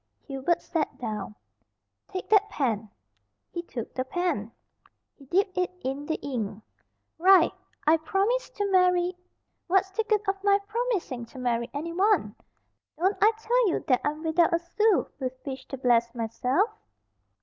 Hubert sat down. "Take that pen." He took the pen. He dipped it in the ink. "Write, 'I promise to marry '" "What's the good of my promising to marry anyone? Don't I tell you that I'm without a sou with which to bless myself?"